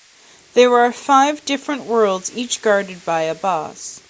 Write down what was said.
There are five different worlds, each guarded by a boss.